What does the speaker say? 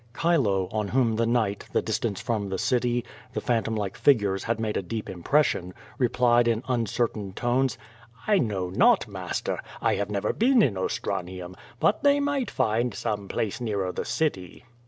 Chilo, on whom the night, the distance from the city, the phantom like figures had made a deep impression, replied in uncertain tones: "I know not, master; I have never been in Ostranium, but they might find some place nearer the city."